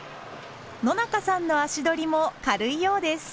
野中さんの足取りも軽いようです。